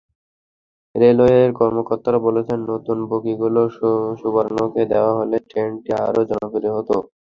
রেলওয়ের কর্মকর্তারা বলছেন, নতুন বগিগুলো সুবর্ণকে দেওয়া হলে ট্রেনটি আরও জনপ্রিয় হতো।